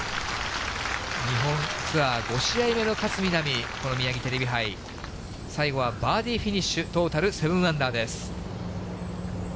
日本ツアー５試合目の勝みなみ、このミヤギテレビ杯、最後はバーディーフィニッシュ、トータル７アンダーです。